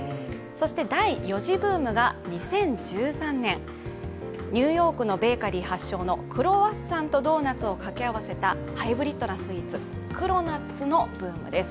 第４次ブームが２０１３年、ニューヨークのベーカリー発祥のクロワッサンとドーナツを掛け合わせたハイブリッドなスイーツクロナッツのブームです。